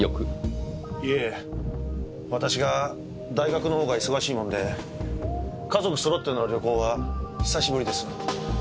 いえ私が大学の方が忙しいもんで家族揃っての旅行は久しぶりです。